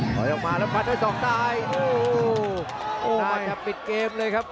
ถอยออกมาแล้วพัดด้วยสองนายโอ้โหสองนายจะปิดเกมเลยครับ